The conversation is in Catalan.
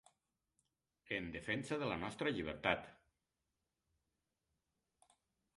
En defensa de la nostra llibertat.